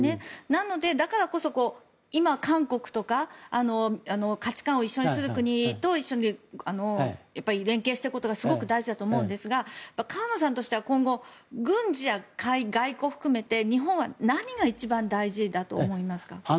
なので、だからこそ今、韓国とか価値観を一緒にする国と連携していくことがすごく大事だと思うんですが河野さんとしては今後軍事や外交を含めて日本は何が一番大事だと思いますか？